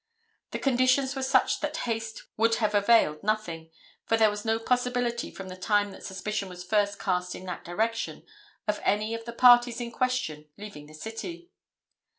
The conditions were such that haste would have availed nothing, for there was no possibility from the time that suspicion was first cast in that direction of any of the parties in question leaving the city.